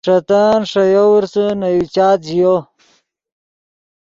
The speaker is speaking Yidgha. ݰے تن ݰے یوورسے نے یو چات ژیو۔